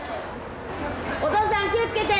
お父さん気つけて！